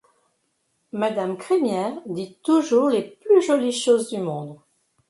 Madame Crémière dit toujours les plus jolies choses du monde.